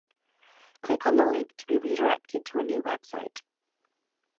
Click on the link to be re-directed to a new website.